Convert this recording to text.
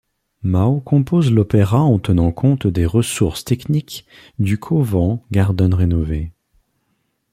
Maw compose l'opéra en tenant compte des ressources techniques du Covent Garden rénové.